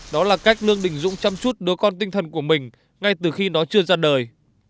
đó là cách lương đình dũng chăm chút đối con tinh thần của mình ngay từ khi nó chưa ra đời